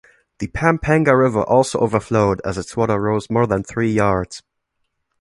The Pampanga River also overflowed as its water rose more than three yards.